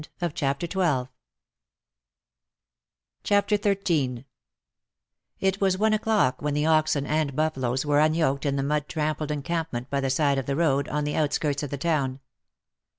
CHAPTER XIII It was one o'clock when the oxen and buffaloes were unyoked in the mud tram pled encampment by the side of the road, on the outskirts of the town.